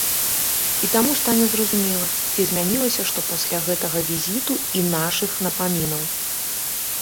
І таму стане зразумела, ці змянілася што пасля гэтага візіту і нашых напамінаў.